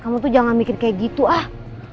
kamu tuh jangan mikir kayak gitu ah